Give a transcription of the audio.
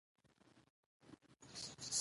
افغانستان په سیلانی ځایونه باندې تکیه لري.